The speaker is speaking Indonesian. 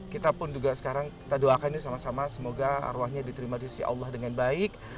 kita pun juga sekarang kita doakan ini sama sama semoga arwahnya diterima di usia allah dengan baik